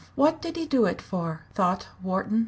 "What did he do it for?" thought Wharton.